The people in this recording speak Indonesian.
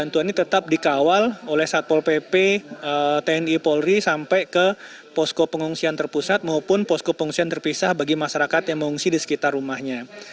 bantuan ini tetap dikawal oleh satpol pp tni polri sampai ke posko pengungsian terpusat maupun posko pengungsian terpisah bagi masyarakat yang mengungsi di sekitar rumahnya